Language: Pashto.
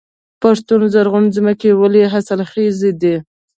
پښتون زرغون ځمکې ولې حاصلخیزه دي؟